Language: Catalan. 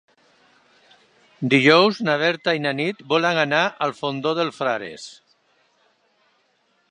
Dijous na Berta i na Nit volen anar al Fondó dels Frares.